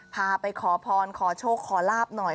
พาไปขอพรขอโชคขอลาบหน่อย